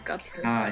はい。